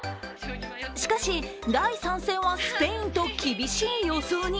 しかし、第３戦はスペインと厳しい予想に。